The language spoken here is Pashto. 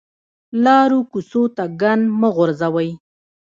لارو کوڅو ته ګند مه غورځوئ